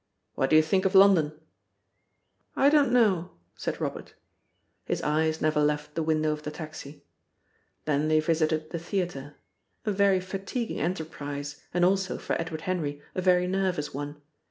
"What do you think of London?" "I don't know," said Robert. His eyes never left the window of the taxi. Then they visited the theatre a very fatiguing enterprise, and also, for Edward Henry, a very nervous one.